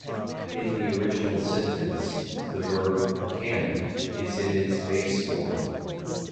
In the original sentence, the verb "can" is in its base form.